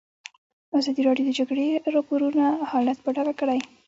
ازادي راډیو د د جګړې راپورونه حالت په ډاګه کړی.